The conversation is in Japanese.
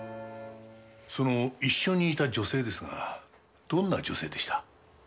その一緒にいた女性ですがどんな女性でした？